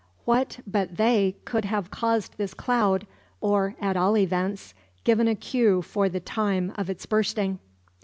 What but they could have caused this cloud; or, at all events, given a cue for the time of its bursting.